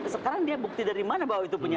sekarang dia bukti dari mana bahwa itu punya